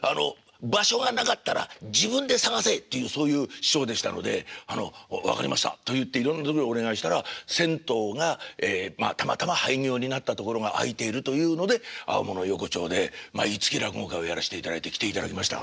「場所がなかったら自分で探せ」っていうそういう師匠でしたので「分かりました」と言っていろんなところにお願いしたら銭湯がたまたま廃業になったところが空いているというので青物横丁で毎月落語会をやらせていただいて来ていただきました。